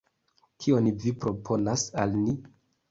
Kion vi proponas al ni!